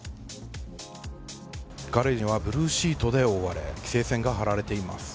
ガレージはブルーシートで覆われ、規制線が張られています。